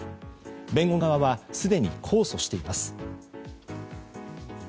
弁護側はすでに控訴しています。